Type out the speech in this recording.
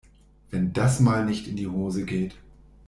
Wenn das mal nicht in die Hose geht!